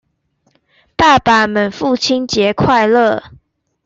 爸爸們父親節快樂！